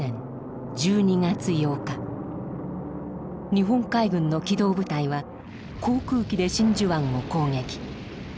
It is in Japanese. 日本海軍の機動部隊は航空機で真珠湾を攻撃。